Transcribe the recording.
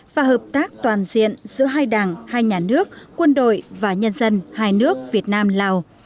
và hợp tác toàn diện giữa hai đảng hai nhà nước quân đội và nhân dân hai nước việt nam lào